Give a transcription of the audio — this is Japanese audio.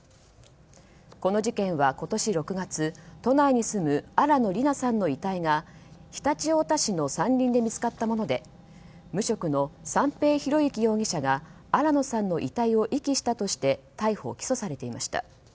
この事件は今年６月都内に住む新野りなさんの遺体が常陸太田市の山林で見つかったもので無職の三瓶博幸容疑者が新野さんの遺体を遺棄したとして逮捕・起訴されていました。